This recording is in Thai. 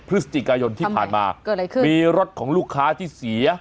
พฤศจิกายนที่ผ่านมาเกิดอะไรขึ้นมีรถของลูกค้าที่เสีย